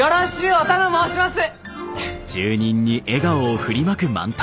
お頼申します！